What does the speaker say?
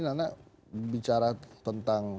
nana bicara tentang